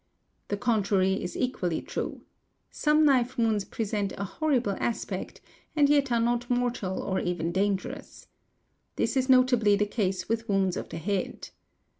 The contrary is equally true. Some knife wounds present a horrible aspect and yet are not mortal or even — dangerous. This is notably the case with wounds of the head.